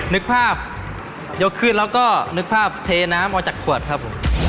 นึกภาพยกขึ้นแล้วก็นึกภาพเทน้ำออกจากขวดครับผม